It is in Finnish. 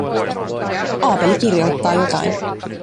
Aapeli kirjoittaa jotain.